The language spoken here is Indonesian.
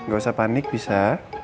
gak usah panik bisa